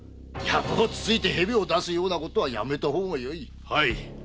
ヤブをつついてヘビを出すようなことはやめた方がよい。